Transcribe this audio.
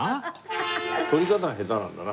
取り方が下手なんだな。